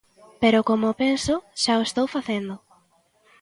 Pero como o penso xa o estou facendo.